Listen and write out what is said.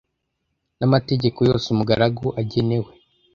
n amategeko yose umugaragu agenewe